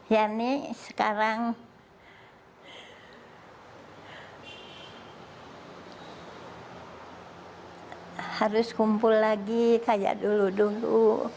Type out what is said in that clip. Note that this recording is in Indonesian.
yani sekarang harus kumpul lagi kayak dulu dulu